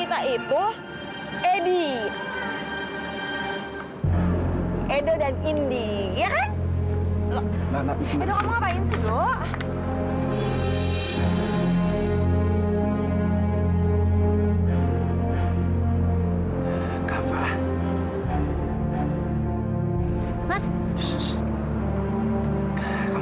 kamu mau ngapain